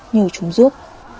nhờ chúng giúp